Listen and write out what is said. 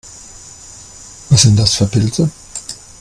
Was sind das für Pilze?